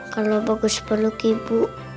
kalau bagus peluk ibu